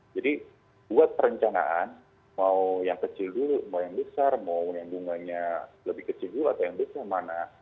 jadi buat perencanaan mau yang kecil dulu mau yang besar mau yang bunganya lebih kecil dulu atau yang besar mana